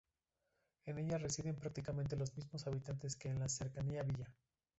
En ella residen prácticamente los mismos habitantes que en la cercana villa.